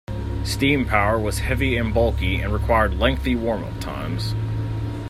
Steam power was heavy and bulky and required lengthy warmup times.